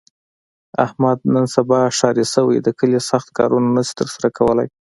احمد نن سبا ښاري شوی، د کلي سخت کارونه نشي تر سره کولی.